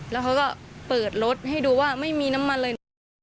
แล้วเขาก็เปิดรถให้ดูว่าไม่มีน้ำมันเลยนะ